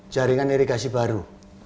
jaringan irigasi baru